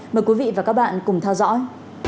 mời quý vị và các bạn cùng theo dõi